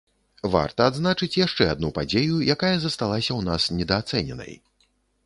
Варта адзначыць яшчэ адну падзею, якая засталася ў нас недаацэненай.